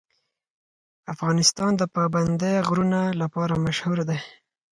افغانستان د پابندی غرونه لپاره مشهور دی.